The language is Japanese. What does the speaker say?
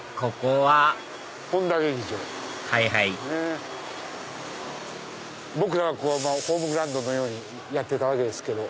はいはい僕らがホームグラウンドのようにやってたわけですけど。